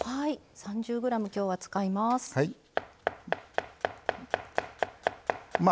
３０ｇ、きょうは使います。